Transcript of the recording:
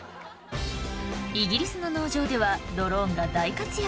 イギリスの農場ではドローンが大活躍